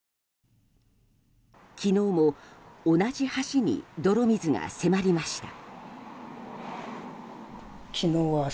昨日も同じ橋に泥水が迫りました。